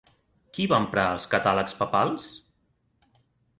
Qui va emprar els catàlegs papals?